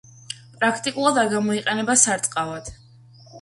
პრაქტიკულად არ გამოიყენება სარწყავად.